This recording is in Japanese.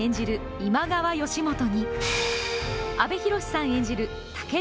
今川義元に、阿部寛さん演じる武田